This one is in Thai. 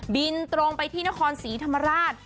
บินตรงไปที่นครศรีธรรมราช